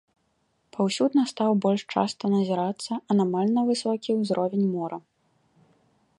Паўсюдна стаў больш часта назірацца анамальна высокі ўзровень мора.